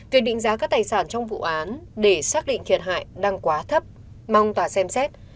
việc định giá các tài sản trong vụ án để xác định thiệt hại đang quá thấp mong tòa xem xét